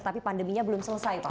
tapi pandeminya belum selesai pak